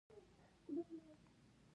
زه یوه جمله پنځه ځله لیکم.